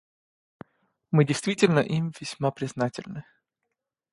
Мы действительно им весьма признательны.